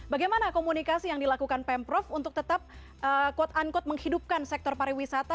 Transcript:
bagaimana komunikasi yang dilakukan pemprov untuk tetap quote unquote menghidupkan sektor pariwisata